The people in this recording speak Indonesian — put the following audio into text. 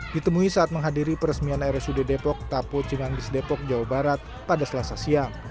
ditemui saat menghadiri peresmian rsud depok tapo cimanggis depok jawa barat pada selasa siang